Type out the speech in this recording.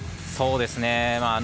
そうですね。